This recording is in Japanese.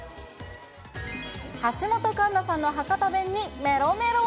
橋本環奈さんの博多弁に、めろめろ。